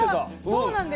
そうなんです。